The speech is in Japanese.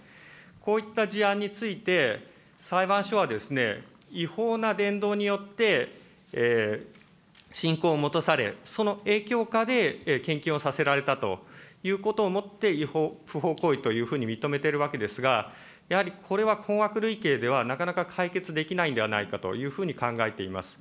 こういった事案について、裁判所は、違法な伝道によって信仰を持たされ、その影響下で、献金をさせられたということをもって、不法行為というふうに認めているわけですが、やはりこれは困惑類型ではなかなか解決できないんではないかというふうに考えています。